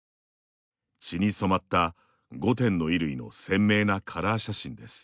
血に染まった、５点の衣類の鮮明なカラー写真です。